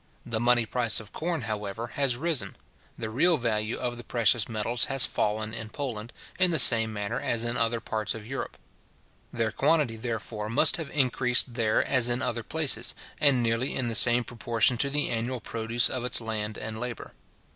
The money price of corn, however, has risen; the real value of the precious metals has fallen in Poland, in the same manner as in other parts of Europe. Their quantity, therefore, must have increased there as in other places, and nearly in the same proportion to the annual produce of its land and labour.